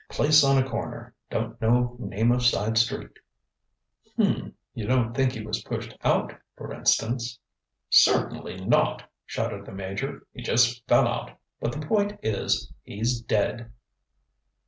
Place on a corner. Don't know name of side street. ŌĆØ ŌĆ£H'm. You don't think he was pushed out, for instance? ŌĆØ ŌĆ£Certainly not! ŌĆØ shouted the Major; ŌĆ£he just fell out, but the point is, he's dead!